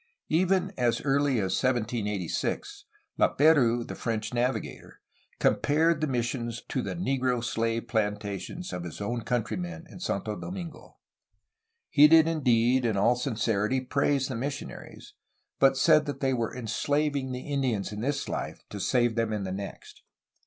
Even as early as 1786 Laperouse, the French navigator, compared the missions to the negro slave plantations of his own coun trymen in Santo Domingo. He did indeed in all sincerity praise the missionaries, but said that they were enslaving the Indians in this life, to save them in the next.